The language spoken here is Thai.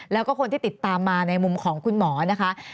แล้วก็คนที่ติดตามมาในมุมของคุณหมอนะคะ